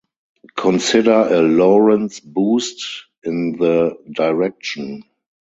Consider a Lorentz boost in the -direction.